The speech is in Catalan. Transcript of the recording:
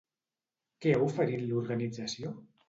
Què ha oferit l'organització?